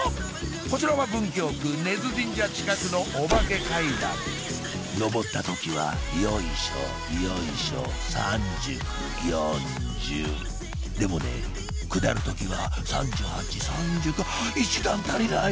こちらは文京区根津神社近くのお化け階段上った時はよいしょよいしょ３９・４０でもね下る時は３８・３９１段足りない！